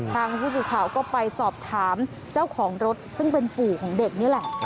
ทางผู้สื่อข่าวก็ไปสอบถามเจ้าของรถซึ่งเป็นปู่ของเด็กนี่แหละ